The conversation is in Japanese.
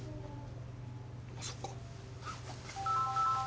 そっか。